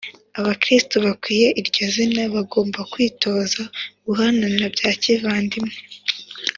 abakirisitu bakwiye iryo zina, bagomba kwitoza guhanana bya kivandimwe